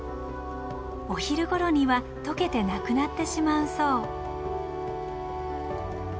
お昼頃にはとけてなくなってしまうそう。